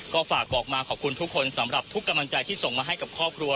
ก็ฝากบอกมาขอบคุณทุกคนสำหรับทุกกำลังใจที่ส่งมาให้กับครอบครัว